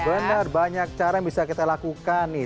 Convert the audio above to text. benar banyak cara yang bisa kita lakukan nih